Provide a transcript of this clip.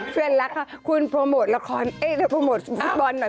เพื่อนรักค่ะคุณโปรโมทฟุตบอลหน่อย